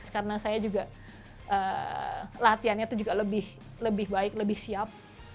karena saya juga latihannya itu juga lebih baik lebih siap